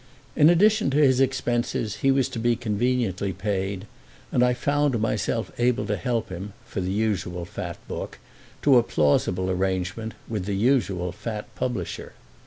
In addition to his expenses he was to be conveniently paid, and I found myself able to help him, for the usual fat book, to a plausible arrangement with the usual fat publisher.